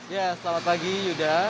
ya selamat pagi yuda